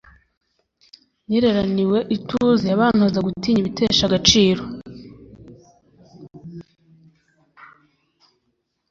nireraniwe ituze bantoza gutinya ibitesha agaciro